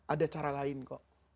ada cara lain kok